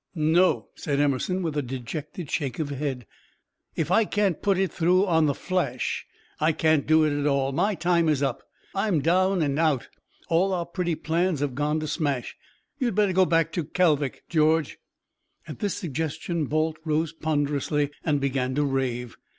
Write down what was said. "No," said Emerson, with a dejected shake of the head. "If I can't put it through on the flash, I can't do it at all. My time is up. I'm down and out. All our pretty plans have gone to smash. You'd better go back to Kalvik, George." At this suggestion, Balt rose ponderously and began to rave.